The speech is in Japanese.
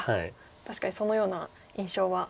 確かにそのような印象はありまして。